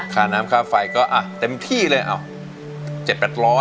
ค่าน้ำค่าไฟก็เต็มที่เลยอ้าว๗๘๐๐บาท